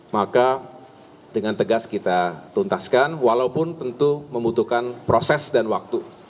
maka dengan tegas kita tuntaskan walaupun tentu membutuhkan proses dan waktu